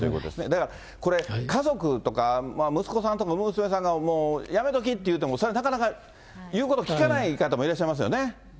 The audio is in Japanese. だから、これ、家族とか息子さんとか、娘さんが、やめときって言うてもそれなかなか言うこと聞かない方もいらっしゃいますよね。